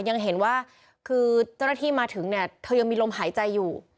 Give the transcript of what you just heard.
ยังเห็นว่าคือเจ้าหน้าที่มาถึงเนี่ยเธอยังมีลมหายใจอยู่